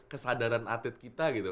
kesadaran atlet kita gitu